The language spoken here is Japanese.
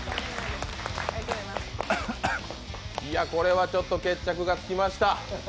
これはちょっと決着がつきました。